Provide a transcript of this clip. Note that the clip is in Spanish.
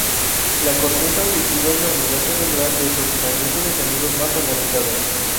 La corteza auditiva es la unidad cerebral de procesamiento de sonidos más organizada.